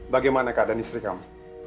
bagaimana keadaan istri kamu